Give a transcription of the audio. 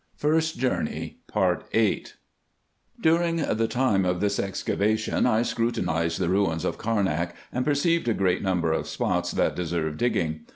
2 116 RESEARCHES AND OPERATIONS During the time of this excavation I scrutinized the ruins of Carnak, and perceived a great number of spots that deserve digging.